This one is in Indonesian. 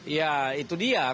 ya itu dia